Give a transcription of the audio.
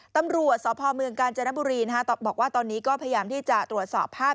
ตำรวจสพเมืองกาญจนบุรีบอกว่าตอนนี้ก็พยายามที่จะตรวจสอบภาพ